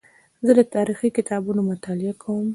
زه د تاریخي کتابونو مطالعه کوم.